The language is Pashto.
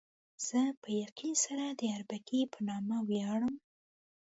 زه په یقین سره د اربکي په نامه ویاړم.